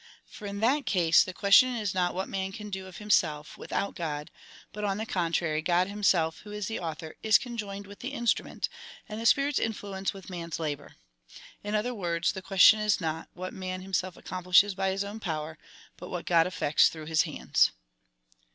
For, in that case, the question is not, what man can do of himself without God, but, on the contrary, God himself, who is the author, is conjoined with the instrument, and the Spirit's influence with man's labour. In other words, the question is not, what man him self accomplishes by his own power, but what God eftects through his liands.